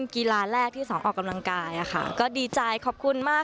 ครับ